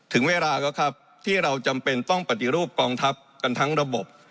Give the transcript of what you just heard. ถึงเวลาก็ครับที่เราจำเป็นต้องปฏิรูปกองทัพกันทั้งระบบ